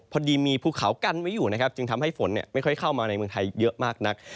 พอดีมีภูเขากั้นไว้อยู่นะครับจึงทำให้ฝนไม่ค่อยเข้ามาในเมืองไทยเยอะมากนัก